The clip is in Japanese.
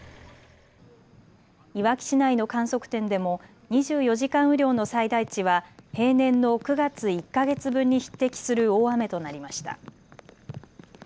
いわき市内の観測点でも２４時間雨量の最大値は平年の９月１か月分に匹敵する大雨となりました。